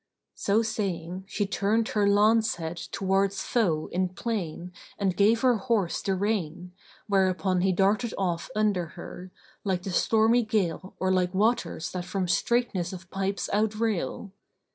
So saying, she turned her lance head towards foe in plain and gave her horse the rein, whereupon he darted off under her, like the stormy gale or like waters that from straitness of pipes outrail.